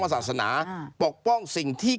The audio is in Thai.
ศาสนาปกป้องสิ่งที่